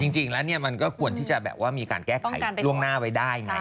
จริงแล้วมันก็ควรที่จะแบบว่ามีการแก้ไขล่วงหน้าไว้ได้ไง